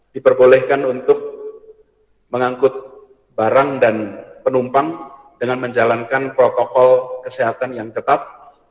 diperbolehkan untuk mengangkut barang dan penumpang dengan menjalankan protokol kesehatan yang ketat